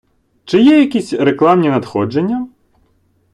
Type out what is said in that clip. Чи є якісь рекламні надходження?